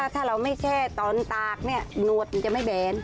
ถ้าเราไม่แช่ตอนตากหนวดมันจะไม่แบน